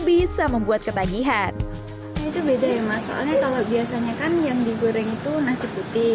bisa membuat ketagihan itu beda ya mas soalnya kalau biasanya kan yang digoreng itu nasi putih